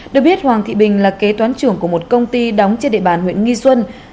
được biết hoàng thị bình là kế toán trưởng của một công ty đóng trên địa bàn huyện nghi xuân